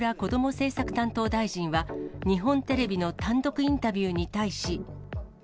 政策担当大臣は、日本テレビの単独インタビューに対し。